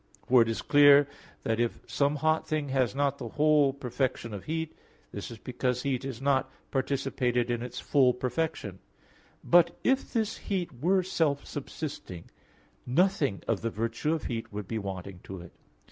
For it is clear that if some hot thing has not the whole perfection of heat, this is because heat is not participated in its full perfection; but if this heat were self subsisting, nothing of the virtue of heat would be wanting to it.